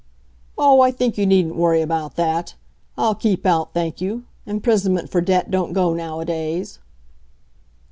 "Oh, I think you needn't worry about that. I'll keep out, thank you; imprisonment for debt don't go nowadays."